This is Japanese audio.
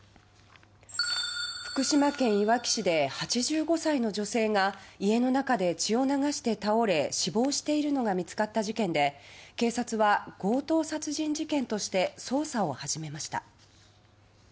福島県いわき市で８５歳の女性が家の中で血を流して倒れ死亡しているのが見つかった事件で警察は、強盗殺人事件として捜査を始めました。